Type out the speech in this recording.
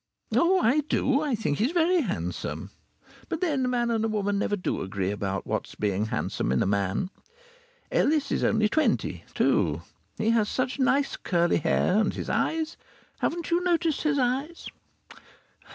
Oh! I do. I think he's very handsome. But then a man and a woman never do agree about what being handsome is in a man. Ellis is only twenty, too. He has such nice curly hair, and his eyes haven't you noticed his eyes?